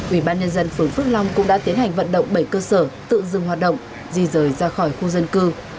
ủy ban nhân dân phường phước long cũng đã tiến hành vận động bảy cơ sở tự dừng hoạt động di rời ra khỏi khu dân cư